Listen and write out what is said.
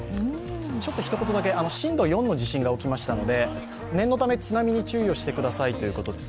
ちょっと一言だけ、震度４の地震が起きましたので念のため津波に注意をしてくださいということです。